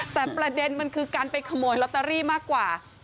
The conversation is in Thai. แต่ประเด็นมันคือการไปขโมยลอตเตอรี่มากกว่า